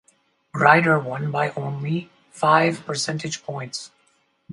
Grider won by only five percentage points.